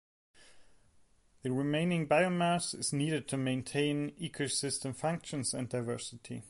The remaining biomass is needed to maintain ecosystem functions and diversity.